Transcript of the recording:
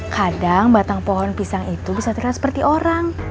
kadang batang pohon pisang itu bisa terlihat seperti orang